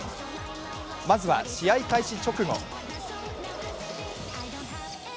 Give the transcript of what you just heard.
まずは試合開始直後。